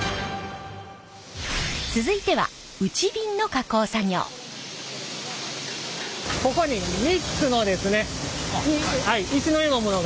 続いてはここに３つの石のようなものが。